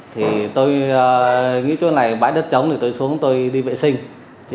thì tôi nghĩ chỗ này bãi đất trống thì tôi xuống tôi đi vệ sinh